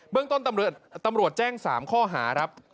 เรื่องต้นตำรวจแจ้ง๓ข้อหาครับ